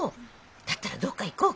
だったらどっか行こうか。